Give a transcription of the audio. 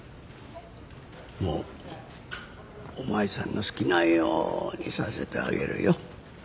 もうお前さんの好きなようにさせてあげるよ。